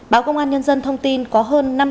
báo công an nhân dân thông tin có hơn